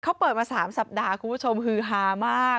เขาเปิดมา๓สัปดาห์คุณผู้ชมฮือฮามาก